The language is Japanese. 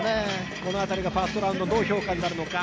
この辺りがファーストラウンド、どう評価になるのか。